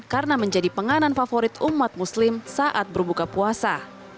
karena menjadi penganan favorit umat muslim saat berbuka puasa